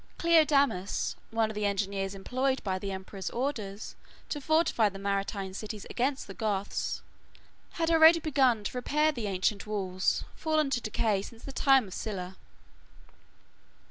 Cleodamus, one of the engineers employed by the emperor's orders to fortify the maritime cities against the Goths, had already begun to repair the ancient walls, fallen to decay since the time of Scylla.